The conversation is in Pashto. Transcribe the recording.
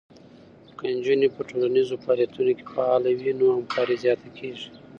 که نجونې په ټولنیزو فعالیتونو کې فعاله وي، نو همکاری زیاته کېږي.